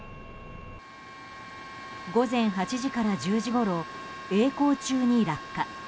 午前８時から１０時ごろえい航中に落下。